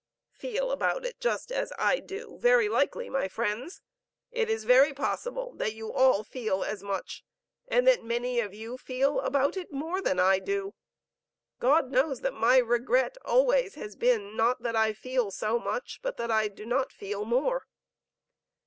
'Feel about it just as I do,' Very likely, my friends. It is very possible that you all feel as much, and that many of you feel about it more than I do. God knows that my regret always has been not that I feel so much, but that I do not feel more.